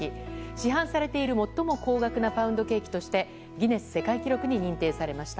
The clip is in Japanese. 市販されている最も高額なパウンドケーキとしてギネス世界記録に認定されました。